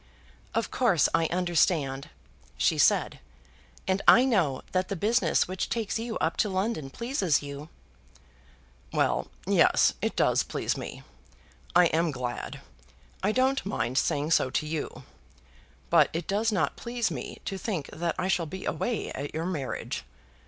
"Of course I understand," she said, "and I know that the business which takes you up to London pleases you." "Well; yes; it does please me. I am glad, I don't mind saying so to you. But it does not please me to think that I shall be away at your marriage.